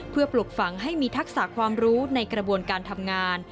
เพื่อปลุกฝังให้มีทักษะความรู้ในกระบวนการทำงาน